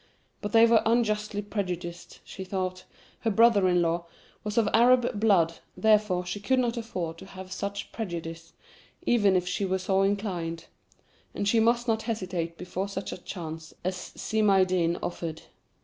But they were unjustly prejudiced, she thought. Her brother in law was of Arab blood, therefore she could not afford to have such prejudices, even if she were so inclined; and she must not hesitate before such a chance as Si Maïeddine offered.